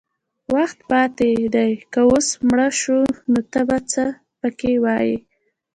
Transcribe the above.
وخت پاتې دی که اوس مړه شو نو ته څه پکې وایې